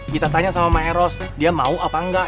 kita tanya sama mak elos dia mau apa enggak